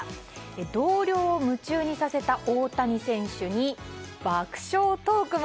同僚を夢中にさせた大谷選手に爆笑トークも。